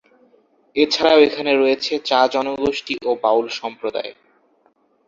এছাড়াও এখানে রয়েছে চা-জনগোষ্ঠী ও বাউল সম্প্রদায়।